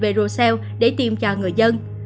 verocell để tiêm cho người dân